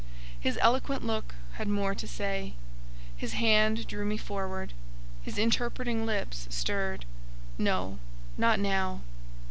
His eloquent look had more to say, his hand drew me forward, his interpreting lips stirred. No. Not now.